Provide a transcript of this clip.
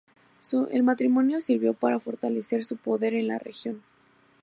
El matrimonio sirvió para fortalecer su poder en la región.